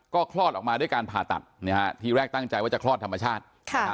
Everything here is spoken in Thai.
ก็คลอดออกมาด้วยการผ่าตัดนะฮะทีแรกตั้งใจว่าจะคลอดธรรมชาติ